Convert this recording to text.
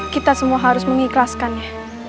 kita semua harus mengikhlaskannya